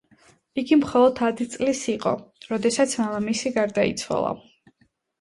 იგი მხოლოდ ათი წლის იყო, როდესაც მამამისი გარდაიცვალა.